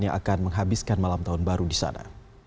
yang akan menghabiskan malam tahun baru di sana